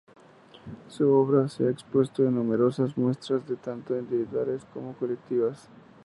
Su obra se ha expuesto en numerosas muestras tanto individuales como colectivas.